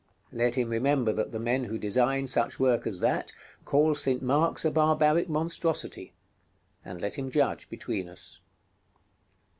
Let him remember that the men who design such work as that call St. Mark's a barbaric monstrosity, and let him judge between us.